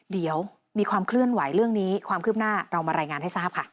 เดี๋ยวมีความเคลื่อนไหวเรื่องนี้ความคืบหน้าเรามารายงานให้ทราบค่ะ